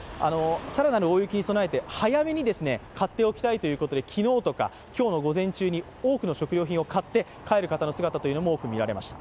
更なる大雪に備えて、早めに買っておきたいということで昨日とか今日の午前中に多くの食料品を買って帰る方の姿も多く見られました。